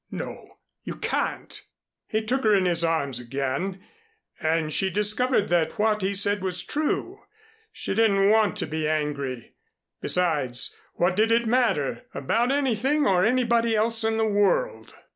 "No, you can't." He took her in his arms again and she discovered that what he said was true. She didn't want to be angry. Besides, what did it matter, about anything or anybody else in the world.